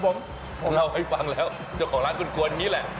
ผมเล่าให้ฟังแล้วที่ของล้างคุ้นนี้แหละ